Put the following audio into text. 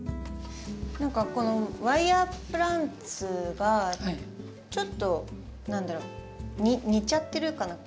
何かこのワイヤープランツがちょっと何だろう似ちゃってるかな。